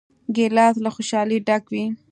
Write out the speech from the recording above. ګیلاس له خوشحالۍ ډک وي.